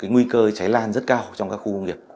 nguy cơ cháy lan rất cao trong các khu công nghiệp